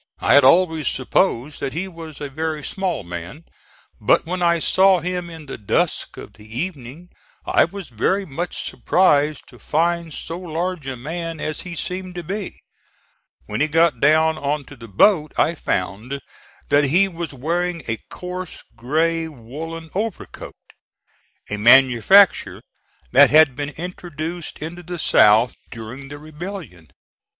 I had always supposed that he was a very small man, but when I saw him in the dusk of the evening I was very much surprised to find so large a man as he seemed to be. When he got down on to the boat I found that he was wearing a coarse gray woollen overcoat, a manufacture that had been introduced into the South during the rebellion.